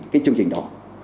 cái chương trình đó